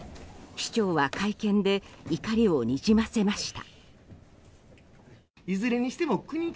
市長は会見で怒りをにじませました。